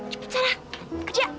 cepet sarah kerja